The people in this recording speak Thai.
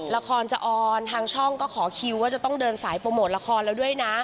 ละครจะออนทางช่องก็ขอคิวว่าจะต้องเดินสายโปรโมทละครแล้วด้วยนะ